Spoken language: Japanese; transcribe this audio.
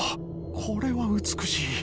これは美しい。